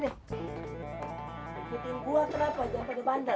ikutin gua kenapa jangan pada bandel